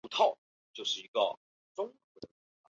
半美分硬币则予废除。